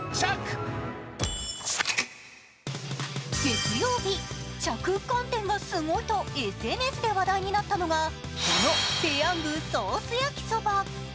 月曜日、着眼点がすごいとＳＮＳで話題になったのが、このペヤングソースやきそば。